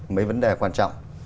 mấy vấn đề quan trọng